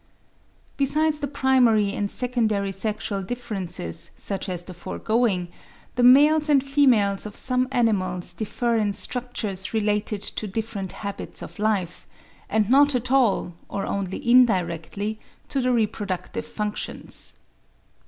Besides the primary and secondary sexual differences, such as the foregoing, the males and females of some animals differ in structures related to different habits of life, and not at all, or only indirectly, to the reproductive functions.